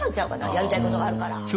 やりたいことがあるから。